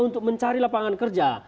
untuk mencari lapangan kerja